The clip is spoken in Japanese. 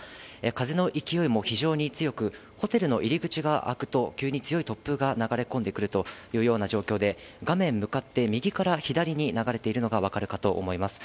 風の勢いも非常に強く、ホテルの入り口が開くと、急に強い突風が流れ込んでくるというような状況で、画面向かって右から左に流れているのが分かるかと思います。